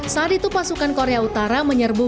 saat itu pasukan korea utara menyerbu